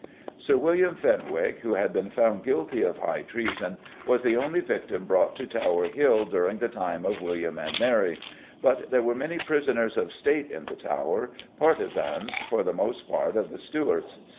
Sir William Fenwick, who had been found guilty of high treason, was the only victim brought to Tower Hill during the time of William and Mary, but there were many prisoners of State in the Tower, partisans, for the most part, of the Stuarts.